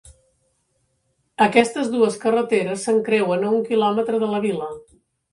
Aquestes dues carreteres s'encreuen a un quilòmetre de la vila.